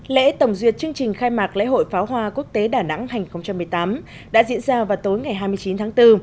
lễ tổng duyệt chương trình khai mạc lễ hội pháo hoa quốc tế đà nẵng hai nghìn một mươi tám đã diễn ra vào tối ngày hai mươi chín tháng bốn